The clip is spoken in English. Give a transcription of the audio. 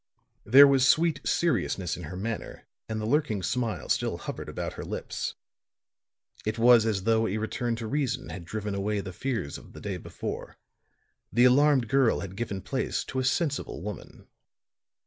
There was sweet seriousness in her manner; and the lurking smile still hovered about her lips. It was as though a return to reason had driven away the fears of the day before the alarmed girl had given place to a sensible woman.